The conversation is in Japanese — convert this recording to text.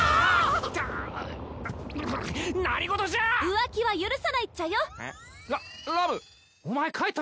・浮気は許さないっちゃよ。えっ？